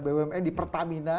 bumn di pertamina